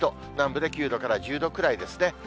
南部で９度から１０度くらいですね。